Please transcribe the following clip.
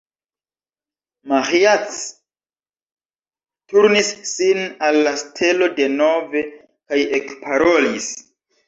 Maĥiac turnis sin al la stelo denove, kaj ekparolis.